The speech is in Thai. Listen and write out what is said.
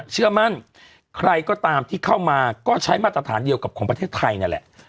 เชื่อมั่นใครก็ตามที่เข้ามาก็ใช้มาตรฐานเดียวกับของประเทศไทยนั่นแหละ